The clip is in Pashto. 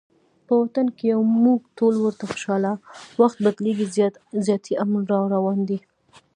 په وطن کې یو مونږ ټول ورته خوشحاله، وخت بدلیږي زیاتي امن راروان دی